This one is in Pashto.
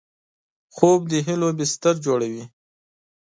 خوب د هیلو بستر جوړوي